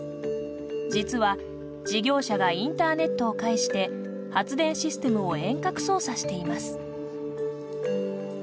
実は事業者がインターネットを介して発電システムを遠隔操作しています。